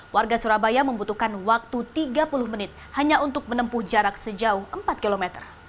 warga surabaya membutuhkan waktu tiga puluh menit hanya untuk menempuh jarak sejauh empat km